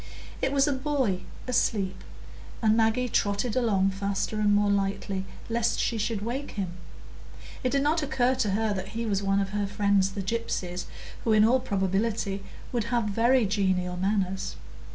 It was a boy asleep, and Maggie trotted along faster and more lightly, lest she should wake him; it did not occur to her that he was one of her friends the gypsies, who in all probability would have very genial manners.